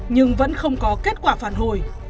nhưng vẫn không có kết quả phản hồi